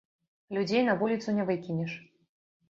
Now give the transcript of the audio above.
Людзей на вуліцу не выкінеш.